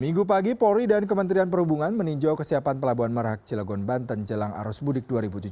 minggu pagi polri dan kementerian perhubungan meninjau kesiapan pelabuhan merak cilegon banten jelang arus budik dua ribu tujuh belas